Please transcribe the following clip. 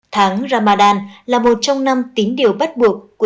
tháng ramadan là một trong năm tính điều bắt buộc